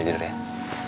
selamat tidur ya